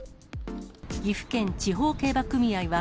岐阜県地方競馬組合は、